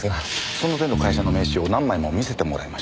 その手の会社の名刺を何枚も見せてもらいました。